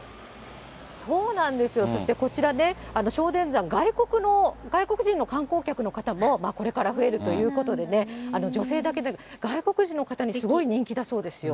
そうなんですよ、そしてこちらね、、外国人の観光客の方もこれから増えてくるということで、女性だけでなく、外国人の方にすごい人気だそうですよ。